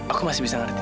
aku masih bisa ngerti